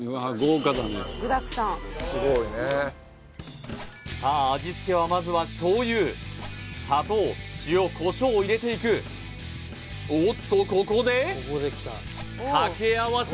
具だくさんさあ味付けはまずは醤油砂糖塩こしょうを入れていくおっとここでかけ合わせ